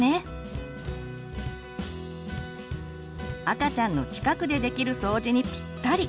赤ちゃんの近くでできる掃除にピッタリ！